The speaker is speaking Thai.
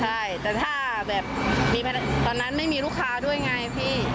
ใช่แต่ถ้าแบบตอนนั้นไม่มีลูกค้าด้วยไงพี่